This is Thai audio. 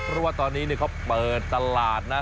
เพราะว่าตอนนี้เขาเปิดตลาดนะ